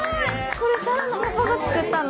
これ紗良のパパが作ったの？